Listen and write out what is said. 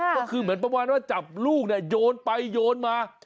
ก็คือเหมือนประมาณว่าจับลูกเนี่ยโยนไปโยนมา